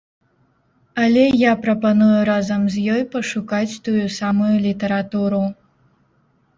Але я прапаную разам з ёй пашукаць тую самую літаратуру.